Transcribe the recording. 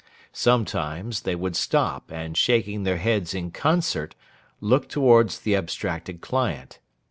Sometimes, they would stop, and shaking their heads in concert, look towards the abstracted client.